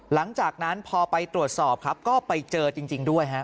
หลังจากนั้นพอไปตรวจสอบครับก็ไปเจอจริงด้วยฮะ